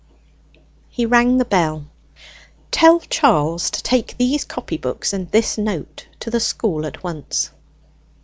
He rang the bell. "Tell Charles to take these copybooks and this note to the school at once."